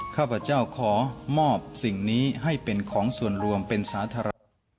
ข้าพเจ้าขอมอบสิ่งนี้ให้เป็นของส่วนรวมเป็นสาธารณะ